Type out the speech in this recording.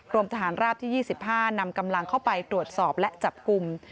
รวมทหารราบที่๒๕นำกำลังเข้าไปตรวจสอบและจับกลุ่ม